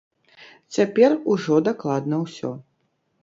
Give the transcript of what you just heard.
Цяпер ужо дакладна ўсё.